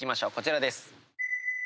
こちらです。